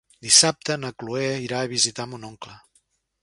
Dissabte na Cloè irà a visitar mon oncle.